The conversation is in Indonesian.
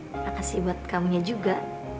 makasih buat kamunya juga